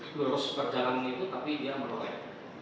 terus berjalan itu tapi dia menoleh